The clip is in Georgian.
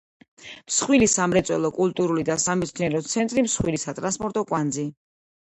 მსხვილი სამრეწველო, კულტურული და სამეცნიერო ცენტრი, მსხვილი სატრანსპორტო კვანძი.